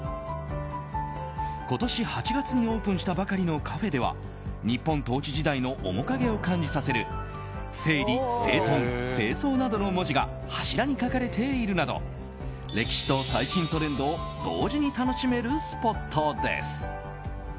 今年８月にオープンしたばかりのカフェでは日本統治時代の面影を感じさせる「整理・整頓・清掃」などの文字が柱に書かれているなど歴史と最新トレンドを同時に楽しめるスポットです。